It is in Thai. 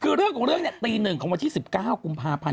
คือเรื่องของเรื่องเนี่ยตี๑ของวันที่๑๙กุมภาพันธ์